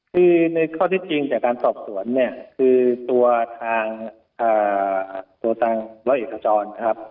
คือในข้อที่จริงจากการสอบสวนเนี่ยคือตัวทางตัวทางร้อยเอกขจรนะครับ